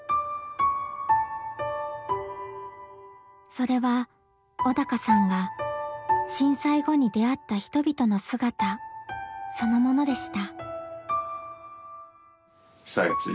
それは小鷹さんが震災後に出会った人々の姿そのものでした。